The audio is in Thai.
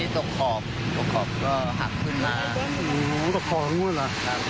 อ๋อตกขอบขึ้นมาละ